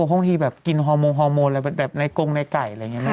บางทีแบบกินฮอร์โมฮอร์โมนอะไรแบบในกงในไก่อะไรอย่างนี้ไหม